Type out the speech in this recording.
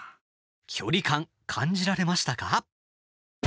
距離感、感じられましたか？